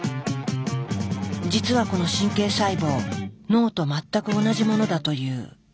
実はこの神経細胞脳と全く同じものだという。